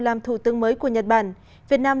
làm thủ tướng mới của nhật bản việt nam